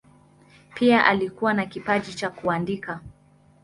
Pia alikuwa na kipaji cha kuandika.